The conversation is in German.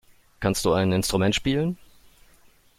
Kannst du ein Instrument spielen?